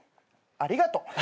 ありがと。